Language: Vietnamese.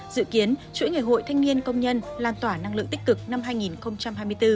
dự kiến chuỗi ngày hội thanh niên công nhân lan tỏa năng lượng tích cực năm hai nghìn hai mươi bốn